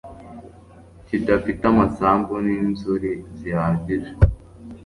kidafite amasambu n'inzuri zihagije